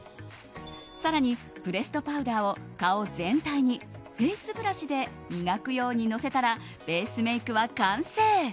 更に、プレストパウダーを顔全体にフェイスブラシで磨くようにのせたらベースメイクは完成。